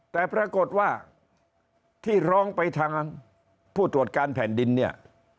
แต่ปรากฏว่าที่ร้องไปทางผู้ตรวจการแผ่นดินเนี่ย